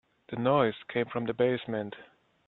The noise came from the basement.